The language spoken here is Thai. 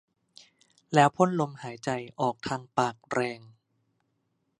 แล้วพ่นลมหายใจออกทางปากแรง